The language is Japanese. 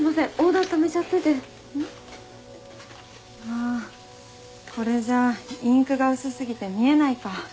あこれじゃあインクが薄過ぎて見えないか。